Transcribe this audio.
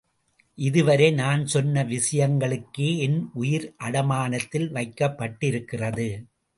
இதுவரை நான் சொன்ன விஷயங்களுக்கே என் உயிர் அடமானத்தில் வைக்கப்பட்டிருக்கிறது.